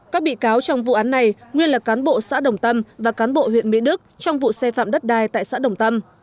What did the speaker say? các bị cáo trong vụ án này nguyên là cán bộ xã đồng tâm và cán bộ huyện mỹ đức trong vụ xe phạm đất đai tại xã đồng tâm